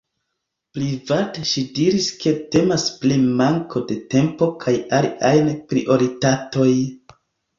Private ŝi diris ke temas pri manko de tempo kaj aliaj prioritatoj.